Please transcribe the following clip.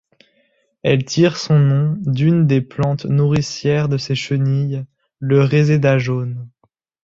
Elle tire son nom d'une des plantes nourricières de ses chenilles, le Réséda jaune.